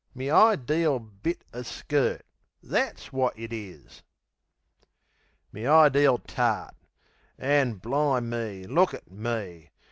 Me ideel bit o' skirt! That's wot it is! Me ideel tart!... An', bli'me, look at me!